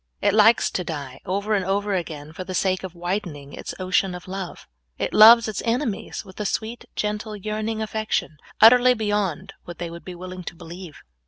It likes to die over and over again for the sake of widening its ocean of love. It loves its ene THK SPIRIT OF CR UCIFIXION. 1 35 mies with a sweet, gentle, yearning affection, utterly t)eyond what they would be willing to believe.